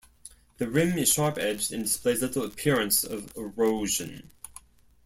The rim is sharp-edged and displays little appearance of erosion.